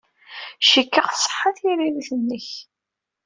Cikkeɣ tṣeḥḥa tririt-nnek.